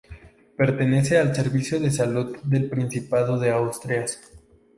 Pertenece al Servicio de Salud del Principado de Asturias.